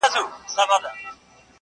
ور سره سم ستا غمونه نا بللي مېلمانه سي-